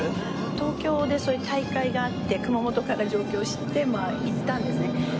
東京でそういう大会があって熊本から上京して行ったんですね。